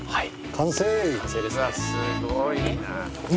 完成ですね。